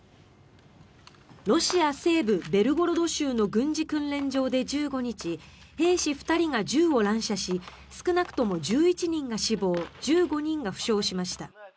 ロシア西部ベルゴロド州の軍事訓練場で１５日兵士２人が銃を乱射し少なくとも１１人が死亡１５人が負傷しました。